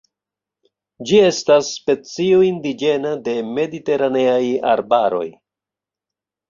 Ĝi estas specio indiĝena de mediteraneaj arbaroj.